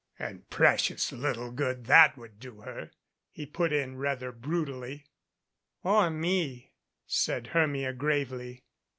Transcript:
"And precious little good that would do her," he put in rather brutally. "Or me," said Hermia gravely.